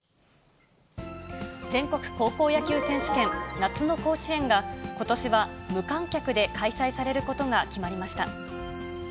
全国高校野球選手権、夏の甲子園がことしは無観客で開催されることが決まりました。